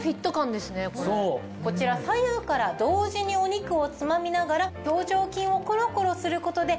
こちら左右から同時にお肉をつまみながら表情筋をコロコロすることで。